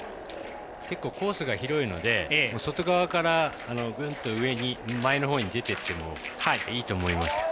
結構コースが広いので外側から前のほうに出ていってもいいと思います。